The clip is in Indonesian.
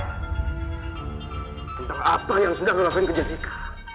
tentang apa yang sudah ngelakuin ke jessica